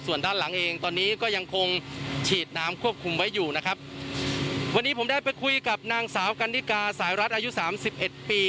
ส่วนด้านหลังเองตอนนี้ก็ยังคงฉีดน้ำควบคุมไว้อยู่นะครับวันนี้ผมได้ไปคุยกับนางสาวกันนิกาสายรัฐอายุสามสิบเอ็ดปี